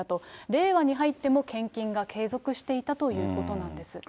令和に入っても献金が継続していたということなんです。